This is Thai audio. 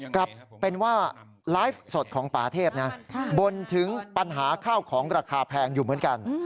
กลับเป็นว่าไลฟ์สดของป่าเทพนะบ่นถึงปัญหาข้าวของราคาแพงอยู่เหมือนกัน